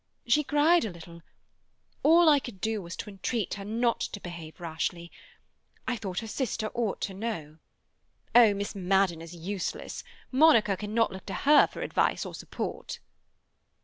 She cried a little. All I could do was to entreat her not to behave rashly. I thought her sister ought to know—" "Oh, Miss Madden is useless. Monica cannot look to her for advice or support."